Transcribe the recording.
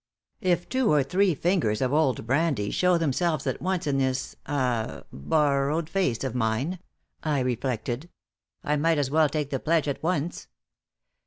"If two or three fingers of old brandy show themselves at once in this ah borrowed face of mine," I reflected, "I might as well take the pledge at once.